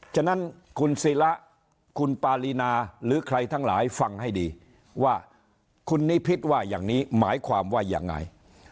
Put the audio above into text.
ฉะนั้นคุณศิละคุณปารีนาหรือใครทั้งหลายฟังให้ดีว่าคุณนิพิษว่าอย่างนี้หมายความว่ายังไง